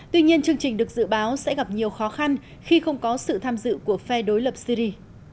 tuy nhiên chương trình được dự báo sẽ gặp nhiều khó khăn khi không có sự tham dự của phe đối lập syri